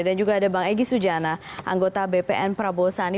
dan juga ada bang egy sujana anggota bpn prabowo sandi